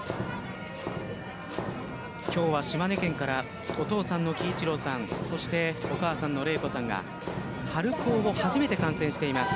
今日は島根県からお父さんのキイチロウさんそして、お母さんの令子さんが春高を初めて観戦しています。